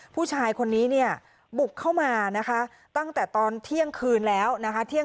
ผู้ชายคนนี้เนี่ยบุกเข้ามานะคะตั้งแต่ตอนเที่ยงคืนแล้วนะคะ